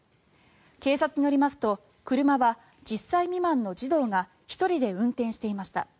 警察によりますと車は１０歳未満の児童が１人で運転していました。